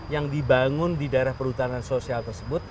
yang dibangun di daerah perhutanan sosial tersebut